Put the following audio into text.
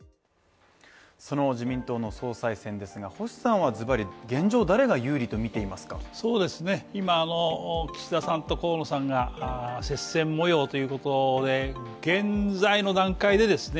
その自民党の総裁選ですが星さんはずばり現状誰が有利と見ていますかそうですね岸田さんと河野さんが大接戦模様ということで現在の段階でですね